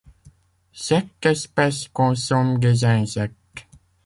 Cette espèce consomme des insectes.